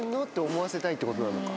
思わせたいってことなのか。